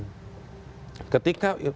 ketika informasi ini dan berikutnya